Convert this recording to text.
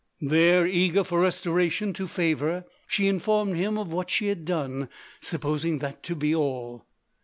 There, eager for restoration to favour, she informed him of what she had done, supposing that to be all.